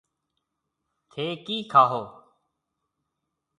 ٿَي ڪِي کائون؟